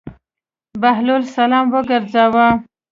بهلول سلام وګرځاوه.